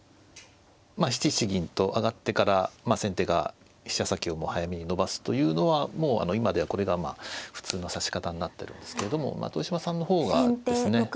７七銀と上がってから先手が飛車先を早めに伸ばすというのはもう今ではこれが普通の指し方になってるんですけれども豊島さんの方がですね。